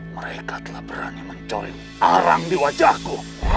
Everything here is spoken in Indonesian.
mereka telah berani mencoreng arang di wajahku